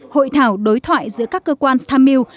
hội thảo đối thoại giữa các cơ quan tham mưu